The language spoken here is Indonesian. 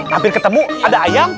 hampir ketemu ada ayam